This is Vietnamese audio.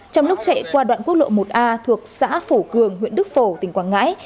trong lúc chạy qua đoạn quốc lộ một a thuộc xã phổ cường huyện đức phổ tỉnh quảng ngãi